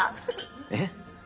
えっ？